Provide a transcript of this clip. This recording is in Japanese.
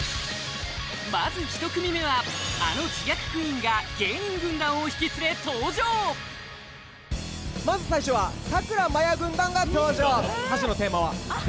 まず１組目はあの自虐クイーンが芸人軍団を引き連れ登場まず最初はさくらまや軍団が登場